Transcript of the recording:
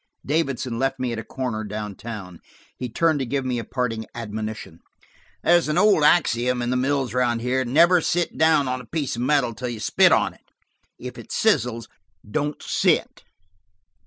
Davidson left me at a corner down town. He turned to give me a parting admonition. "There's an old axiom in the mills around here, 'never sit down on a piece of metal until you spit on it. If it sizzles, don't sit."